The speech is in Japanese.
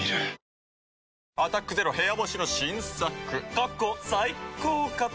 過去最高かと。